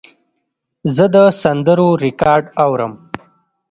زه د سندرو ریکارډ اورم.